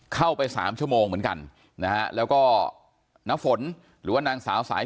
เข้าไปสามชั่วโมงเหมือนกันนะฮะแล้วก็น้าฝนหรือว่านางสาวสาย